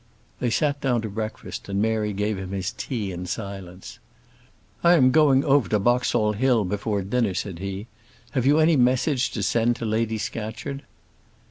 They sat down to breakfast, and Mary gave him his tea in silence. "I am going over to Boxall Hill before dinner," said he. "Have you any message to send to Lady Scatcherd?"